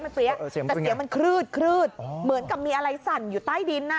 แต่เสียงมันครืดเหมือนกับมีอะไรสั่นอยู่ใต้ดิน